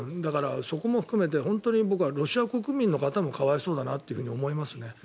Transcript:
そこも含めて本当に僕はロシア国民の方も可哀想だなと思いますね。